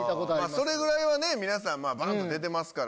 それぐらいはね、皆さん、ぱっと出てますから。